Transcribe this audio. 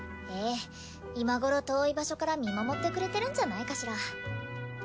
ええ今頃遠い場所から見守ってくれてるんじゃないかしら。